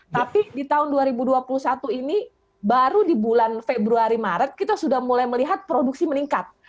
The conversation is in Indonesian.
tapi di tahun dua ribu dua puluh satu ini baru di bulan februari maret kita sudah mulai melihat produksi meningkat